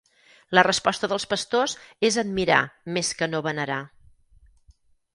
La resposta dels pastors és admirar més que no venerar.